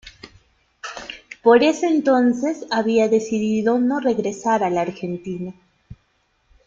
Por ese entonces había decidido no regresar a la Argentina.